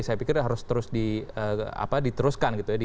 saya pikir harus terus diteruskan gitu ya